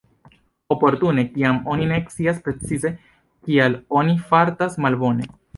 Oportune kiam oni ne scias precize kial oni fartas malbone.